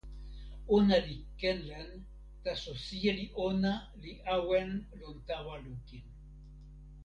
ona li ken len, taso sijelo ona li awen lon tawa lukin.